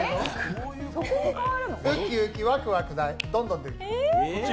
ウキウキ、ワクワクがどんどん出てきます。